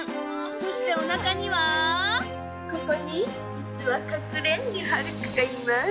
そしておなかにはここにじつはかくれはるかがいます。